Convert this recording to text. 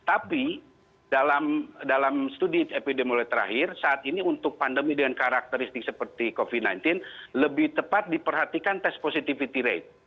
tapi dalam studi epidemiologi terakhir saat ini untuk pandemi dengan karakteristik seperti covid sembilan belas lebih tepat diperhatikan test positivity rate